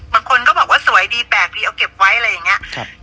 บางคนก็บอกว่าสวยดีแปลกดีเอาเก็บไว้อะไรอย่างนี้